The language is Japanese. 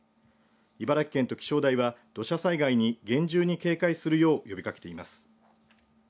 茨城県と気象台は土砂災害に厳重に警戒するよう呼びかけています。